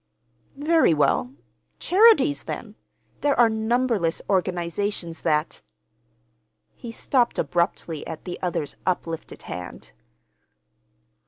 "Very well—charities, then. There are numberless organizations that—" He stopped abruptly at the other's uplifted hand.